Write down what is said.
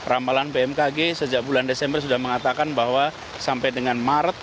ramalan bmkg sejak bulan desember sudah mengatakan bahwa sampai dengan maret